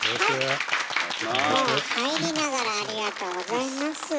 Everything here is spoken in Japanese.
もう入りながらありがとうございます。